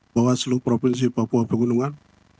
bawaslu provinsi papua pegunungan